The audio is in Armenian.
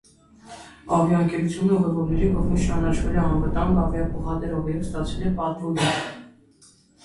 Ավիաընկերությունը ուղևորների կողմից ճանաչվել է անվտանգ ավիափոխադրող, և ստացել է պատվոգիր։